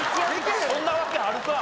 そんなわけあるか！